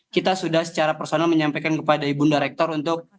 kita sudah secara personal menyampaikan kepada ibunda rektor untuk